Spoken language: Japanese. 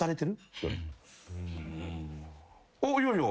「あっ。いやいや」